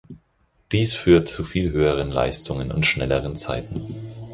Dies führt zu viel höheren Leistungen und schnelleren Zeiten.